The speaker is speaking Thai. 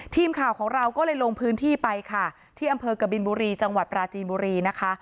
ทีมข่าวของเราก็เลยลงพื้นที่ไปค่ะที่อำเภอกบินบุรีจังหวัดปราจีนบุรีนะคะ